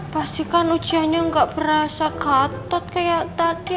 pastikan ujiannya nggak berasa gatot kayak tadi